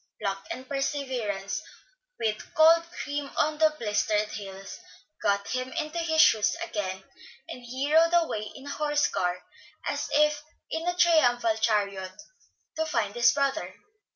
Pluck and perseverance, with cold cream on the blistered heels, got him into his shoes again, and he rode away in a horse car, as in a triumphal chariot, to find his brother.